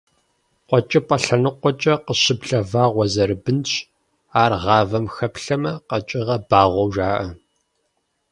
КъуэкӀыпӀэ лъэныкъуэмкӀэ къыщыблэ вагъуэ зэрыбынщ, ар гъавэм хэплъэмэ, къэкӀыгъэр багъуэу жаӀэ.